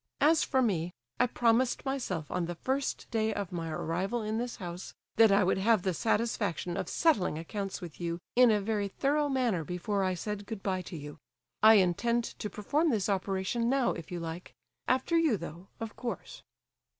"As for me, I promised myself, on the first day of my arrival in this house, that I would have the satisfaction of settling accounts with you in a very thorough manner before I said good bye to you. I intend to perform this operation now, if you like; after you, though, of course."